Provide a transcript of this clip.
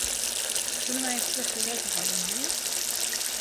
Soenen wy in flesse wetter hawwe meie?